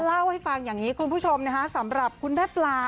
เล่าให้ฟังอย่างนี้คุณผู้ชมนะคะสำหรับคุณแม่ปลา